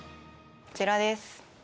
こちらです